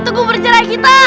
tugu bercerai kita